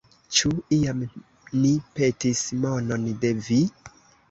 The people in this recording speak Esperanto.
Ĉu iam ni petis monon de vi?